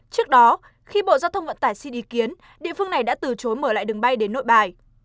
trước đó khi bộ giao thông vận tải xin ý kiến địa phương này đã từ chối mở lại đường bay đến nội bài